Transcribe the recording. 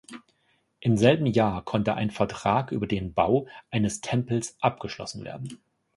Im selben Jahr konnte ein Vertrag über den Bau eines Tempels abgeschlossen werden.